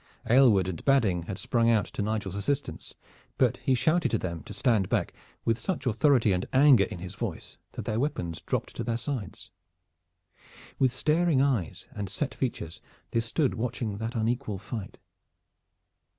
Aylward and Badding had sprung out to Nigel's assistance; but he shouted to them to stand back, with such authority and anger in his voice that their weapons dropped to their sides. With staring eyes and set features they stood watching that unequal fight.